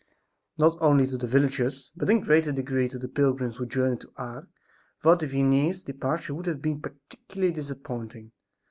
NOT only to the villagers, but in a greater degree to the pilgrims who journeyed to Ars, Father Vianney's departure would have been particularly disappointing.